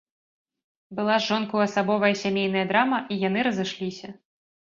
Была з жонкаю асабовая сямейная драма, і яны разышліся.